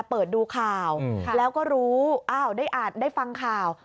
เปิดดูข่าวแล้วก็รู้อ้าวได้อ่านได้ฟังข่าว